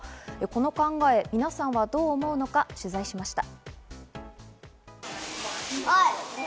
この考え、皆さんはどう思うのか取材しました。